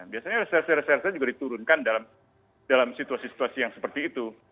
biasanya resel reserse juga diturunkan dalam situasi situasi yang seperti itu